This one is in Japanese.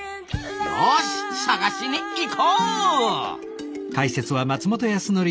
よし探しに行こう！